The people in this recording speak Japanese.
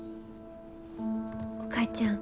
お母ちゃん。